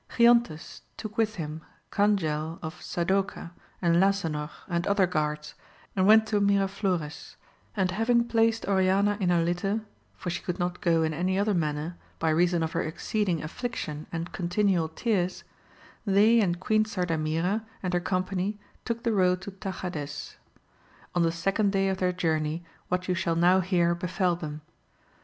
Giontes took with AMADIS OF GAUL. 46 liim Ganjel of Sadoca and Lasanor and other guards, and went to Miraflores, and having placed Oriana in a litter, for she could not go in any other manner by reason of her exceeding affliction and continual tears, they and Queen Sardamira and her company took the road to Tagades. On the second day of their journey what you shall now hear befell them.